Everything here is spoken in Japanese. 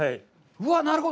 うわぁ、なるほど。